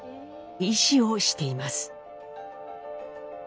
医師をしています。